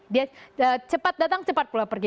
dia cepat datang cepat pulang pergi